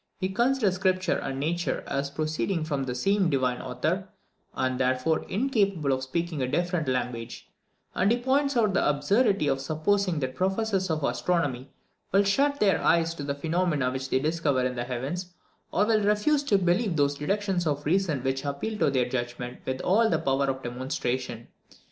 He considers Scripture and nature as proceeding from the same divine author, and, therefore, incapable of speaking a different language; and he points out the absurdity of supposing that professors of astronomy will shut their eyes to the phenomena which they discover in the heavens, or will refuse to believe those deductions of reason which appeal to their judgment with all the power of demonstration.